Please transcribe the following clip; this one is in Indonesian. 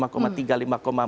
lima tiga ke depannya lima empat